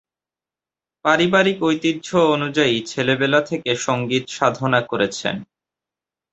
পারিবারিক ঐতিহ্য অনুযায়ী ছেলেবেলা থেকে সঙ্গীত সাধনা করেছেন।